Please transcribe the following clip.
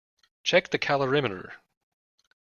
Check the calorimeter.